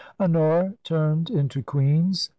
Honora turned into Queen's.